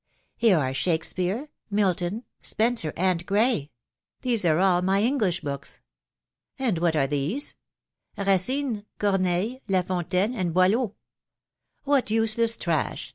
Here are Shak* speare, Milton, Spenser, and Gray ;..•. these are all my English books." " And what are these ?" "Racine, Corneille, La Fontaine, &Tv&lWtaft&?' " What useless trash